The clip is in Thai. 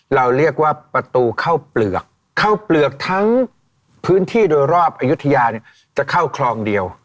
เราเรียกว่าประตูเข้าเปลือกเข้าเปลือกทั้งพื้นที่โดยรอบอายุทยาเนี่ยจะเข้าคลองเดียว